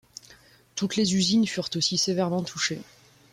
Toutes les usines furent aussi sévèrement touchées.